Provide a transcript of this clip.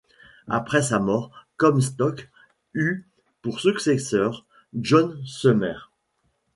Après sa mort, Comstock eut pour successeur John Sumner.